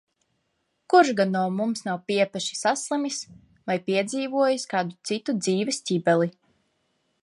Kurš no mums nav piepeši saslimis vai piedzīvojis kādu citu dzīves ķibeli.